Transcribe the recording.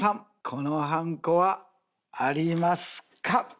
このはんこはありますか？